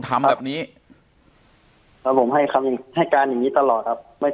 ทำแบบนี้แล้วผมให้คำให้การอย่างนี้ตลอดครับไม่